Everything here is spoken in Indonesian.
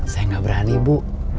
saya gak berani bu